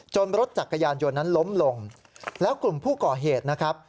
รถจักรยานยนต์นั้นล้มลงแล้วกลุ่มผู้ก่อเหตุนะครับ